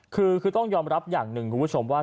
คือต้องยอมรับอย่างหนึ่งคุณผู้ชมว่า